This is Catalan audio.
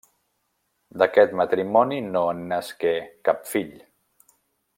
D'aquest matrimoni no en nasqué cap fill.